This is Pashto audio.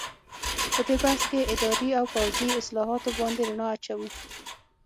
په دې بحث کې اداري او پوځي اصلاحاتو باندې رڼا اچوو.